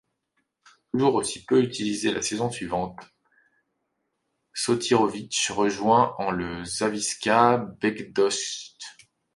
Toujours aussi peu utilisé la saison suivante, Sotirović rejoint en le Zawisza Bydgoszcz.